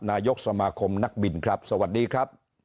นายกสมาคมนักบินครับสวัสดีครับ